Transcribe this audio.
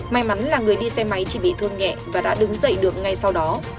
may mắn là người đi xe máy chỉ bị thương nhẹ và đã đứng dậy được ngay sau đó